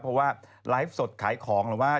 เพราะว่าไลฟ์สดขายของหรือว่า